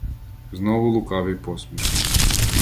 Знову лукаві посмішки.